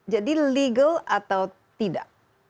jadi legal atau tidak